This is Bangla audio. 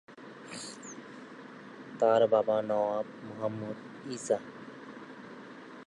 তার বাবা নওয়াব মুহাম্মদ ইসা।